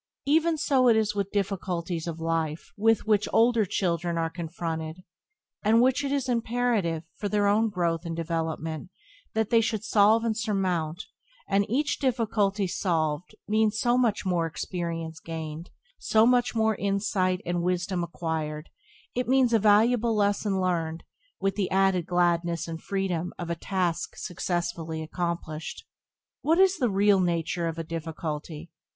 Even so is it with the difficulties of life with which older children are confronted, and which it is imperative, for their own growth and development, that they should solve and surmount; and each difficulty solved means so much more experience gained, so much more insight and wisdom acquired; it means a valuable lesson learned, with the added gladness and freedom of a task successfully accomplished. What is the real nature of a difficulty?